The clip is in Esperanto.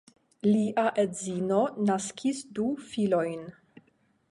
Lia edzino naskis du filojn.